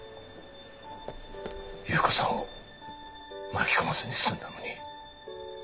有雨子さんを巻き込まずに済んだのに。